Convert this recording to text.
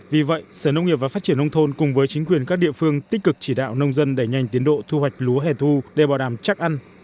vì vậy sở nông nghiệp và phát triển nông thôn cùng với chính quyền các địa phương tích cực chỉ đạo nông dân đẩy nhanh tiến độ thu hoạch lúa hẻ thu để bảo đảm chắc ăn